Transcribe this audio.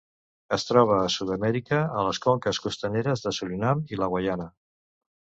Es troba a Sud-amèrica, a les conques costaneres de Surinam i la Guaiana.